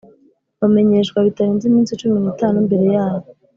Bamenyeshwa bitarenze iminsi cumi n’itanu mbere yayo